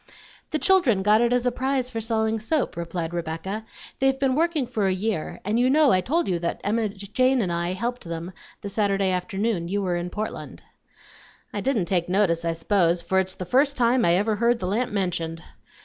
"The children got it as a prize for selling soap," replied Rebecca; "they've been working for a year, and you know I told you that Emma Jane and I helped them the Saturday afternoon you were in Portland." "I didn't take notice, I s'pose, for it's the first time I ever heard the lamp mentioned.